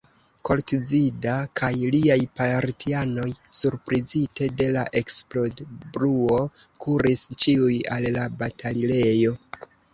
Koltzida kaj liaj partianoj, surprizite de la eksplodbruo, kuris ĉiuj al la batalilejo.